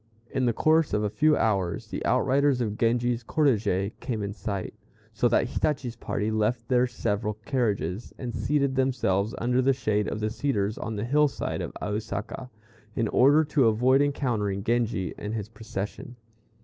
In the course of a few hours the outriders of Genji's cortège came in sight; so that Hitachi's party left their several carriages, and seated themselves under the shade of the cedars on the hill side of Ausaka, in order to avoid encountering Genji and his procession.